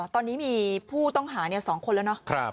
ตอนนี้มีผู้ต้องหา๒คนแล้วเนาะ